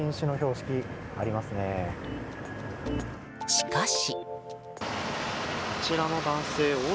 しかし。